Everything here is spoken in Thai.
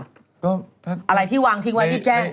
อะไรที่วางทิ้งไว้รีบแจ้ง